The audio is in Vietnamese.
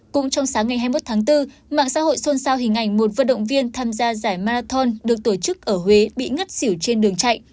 cũng trong sáng ngày hai mươi một tháng bốn mạng xã hội xôn xao hình ảnh một vận động viên tham gia giải marathon được tổ chức ở huế bị ngất xỉu trên đường chạy